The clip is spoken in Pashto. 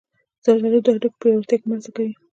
زردالو د هډوکو پیاوړتیا کې مرسته کوي.